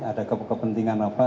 ada kepentingan apa